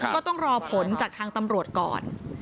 ก็ต้องรอผลจากทางตำรวจก่อน